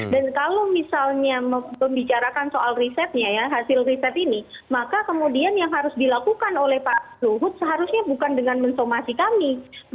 dan kalau misalnya membicarakan soal risetnya ya hasil riset ini maka kemudian yang harus dilakukan oleh pak luhut seharusnya bukan dengan mensomasi kami